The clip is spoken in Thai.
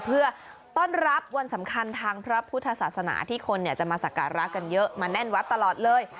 เพื่อต้อนรับวันสำคัญทางพระพุทธศาสนาที่คนจะมาสักการะกันเยอะมาแน่นวัดตลอดเลย